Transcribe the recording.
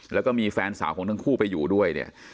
แล้วก็มีแฟนสาวของทั้งคู่ไปอยู่ด้วยเนี่ย